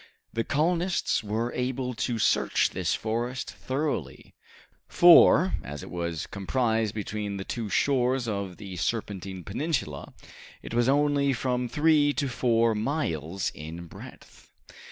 The colonists were able to search this forest thoroughly, for, as it was comprised between the two shores of the Serpentine Peninsula, it was only from three to four miles in breadth.